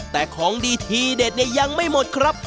แต่ของดีทีเด็ดเนี่ยยังไม่หมดครับ